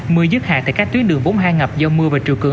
mưa dứt hạ tại các tuyến đường bốn mươi hai ngập do mưa và trừ cưỡng